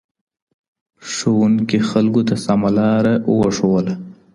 ښوونکي خلګو ته سمه لار وښودله.